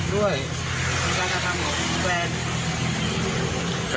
ด้วยรักษาธรรมของแฟน